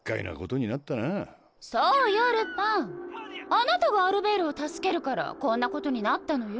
あなたがアルベールを助けるからこんなことになったのよ。